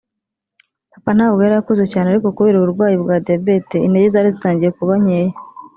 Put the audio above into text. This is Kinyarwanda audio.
papa ntabwo yari akuze cyane ariko kubera uburwayi bwa diabète intege zari zitangiye kuba nkeya